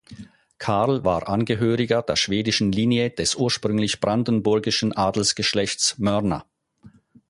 Carl war Angehöriger der schwedischen Linie des ursprünglich brandenburgischen Adelsgeschlechts Mörner.